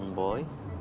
info kegiatan boy